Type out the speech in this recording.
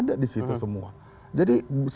jadi sifatnya bukan terhadap kondisi kritis